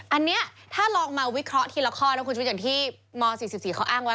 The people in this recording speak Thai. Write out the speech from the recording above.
อันนี้ถ้าลองมาวิเคราะห์ทีละข้อแล้วคุณชมิจังที่ม๔๔เขาอ้างว่า